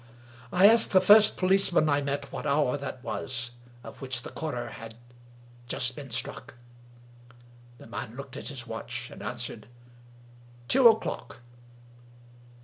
I asked the first policeman I met what hour that was, of which the quarter past had just struck. The man looked at his watch, and answered, "Two o'clock."